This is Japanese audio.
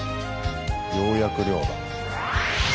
ようやく漁だ。